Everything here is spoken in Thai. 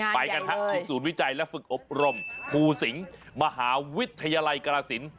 ไปกันครับศูนย์วิจัยและฝึกอบบรมภูสิงมหาวิทยาลัยกาละสิน